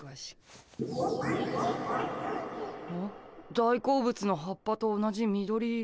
大好物の葉っぱと同じ緑色。